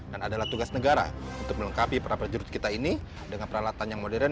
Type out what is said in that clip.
dan adalah tugas negara untuk melengkapi prajurit kita ini dengan peralatan yang modern